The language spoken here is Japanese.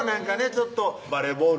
ちょっとバレーボールをね